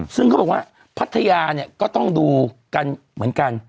ซึ่งเขาบอกว่าพัทยาเนี่ยก็ต้องดูกันเหมือนกัน